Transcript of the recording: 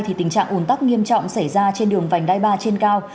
tình trạng ủn tắc nghiêm trọng xảy ra trên đường vành đai ba trên cao